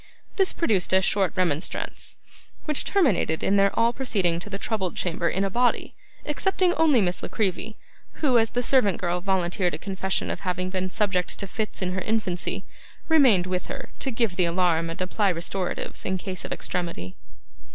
This produced a short remonstrance, which terminated in their all proceeding to the troubled chamber in a body, excepting only Miss La Creevy, who, as the servant girl volunteered a confession of having been subject to fits in her infancy, remained with her to give the alarm and apply restoratives, in case of extremity.